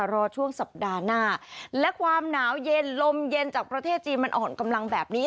รอช่วงสัปดาห์หน้าและความหนาวเย็นลมเย็นจากประเทศจีนมันอ่อนกำลังแบบนี้